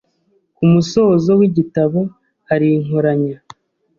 Kumusozo w'igitabo hari inkoranya.